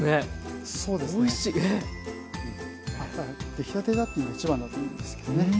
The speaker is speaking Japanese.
出来たてだっていうのが一番だと思うんですけどね。